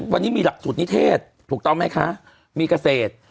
วันนี้มีหลักสูตรนิเทศมีเกษตร